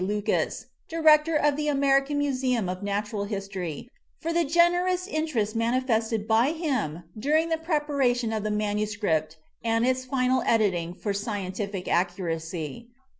Lucas, Director of the American Mu seum of Natural History, for the generous interest manifested by him during the preparation of the manuscript and its final editing for scientific accu racy.